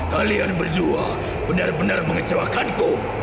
kalian berdua benar benar mengecewakanku